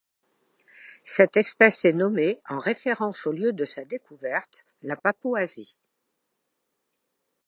Cette espèce est nommée en référence au lieu de sa découverte, la Papouasie.